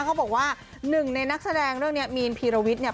เขาบอกว่าหนึ่งในนักแสดงเรื่องนี้มีนพีรวิทย์เนี่ย